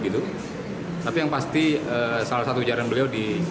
tapi yang pasti salah satu ujaran beliau di